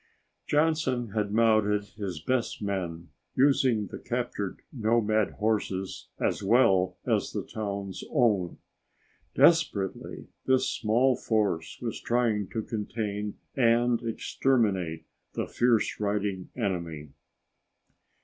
Johnson had mounted his best men, using the captured nomad horses as well as the town's own. Desperately, this small force was trying to contain and exterminate the fierce riding enemy.